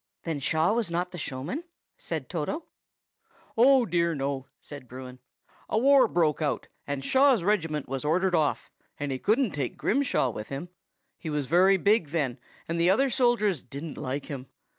"Then Shaw was not the showman?" said Toto. "Oh, dear, no!" said Bruin. "A war broke out, and Shaw's regiment was ordered off, and he couldn't take Grimshaw with him. He was very big then, and the other soldiers didn't like him.